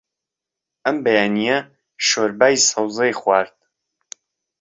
ئەم بەیانییە شۆربای سەوزەی خوارد.